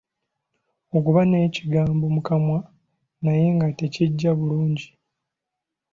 Okuba n'ekigambo mu kamwa naye nga tekijja bulungi.